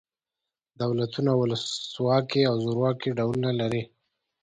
دولتونه ولس واکي او زورواکي ډولونه لري.